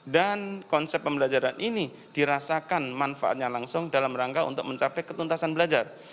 dan konsep pembelajaran ini dirasakan manfaatnya langsung dalam rangka untuk mencapai ketuntasan belajar